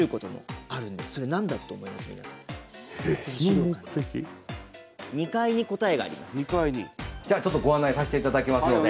本当にじゃあちょっとご案内させていただきますので。